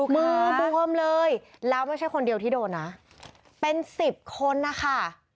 มือบวมเลยแล้วไม่ใช่คนเดียวที่โดนนะเป็นสิบคนนะคะ